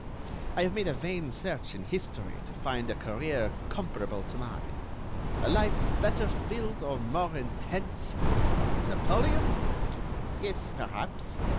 I have made a vain search in history to find a career comparable to mine; a life better filled or more intense.... Napoleon? Yes, perhaps....